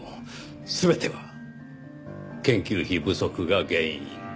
全ては研究費不足が原因。